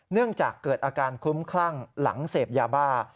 เนื่องจากเกิดอาการคลุ้มคลั่งหลังเสพยาบ้า